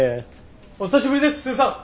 お久しぶりですすーさん。